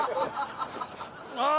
ああ！